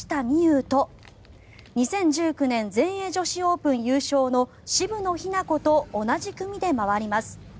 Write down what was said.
有と２０１９年全英女子オープン優勝の渋野日向子と同じ組で回ります。